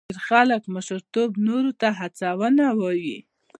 ډېر خلک مشرتوب نورو ته هڅونه وایي.